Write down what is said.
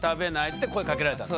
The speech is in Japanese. っつって声をかけられたの？